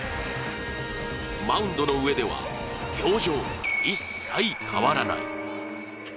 マウンドの上では表情が一切変わらない。